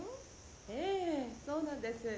ええそうなんです